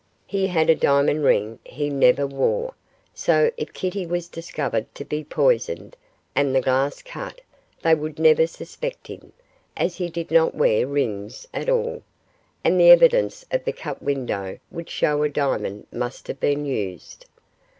He had a diamond ring he never wore, so if Kitty was discovered to be poisoned, and the glass cut, they would never suspect him, as he did not wear rings at all, and the evidence of the cut window would show a diamond must have been used.